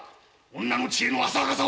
女の知恵の浅はかさを！